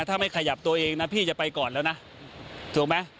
ถ้าไม่ขยับตัวเองนะพี่จะไปก่อนแล้วนะถูกไหม